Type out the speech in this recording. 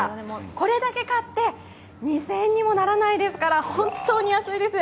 これだけ買って２０００円にもならないですから本当に安いんです。